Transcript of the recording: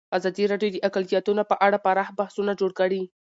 ازادي راډیو د اقلیتونه په اړه پراخ بحثونه جوړ کړي.